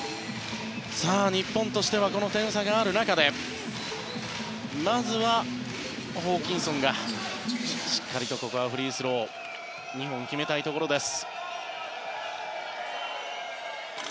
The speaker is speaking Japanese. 日本としてはこの点差がある中でまずは、ホーキンソンがしっかりとフリースローを２本決めたいところです。